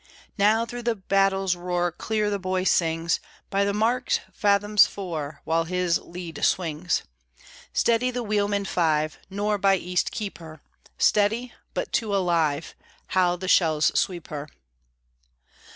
Now through the battle's roar Clear the boy sings, "By the mark fathoms four," While his lead swings. Steady the wheelmen five "Nor' by East keep her," "Steady," but two alive: How the shells sweep her!